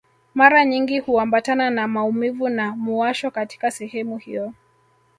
Mara nyingi huambatana na maumivu na muwasho katika sehemu hiyo